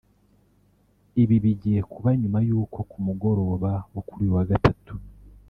Ibi bigiye kuba nyuma y’uko ku mugoroba wo kuri uyu wa Gatatu